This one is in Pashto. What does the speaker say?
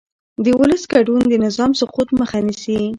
د ولس ګډون د نظام سقوط مخه نیسي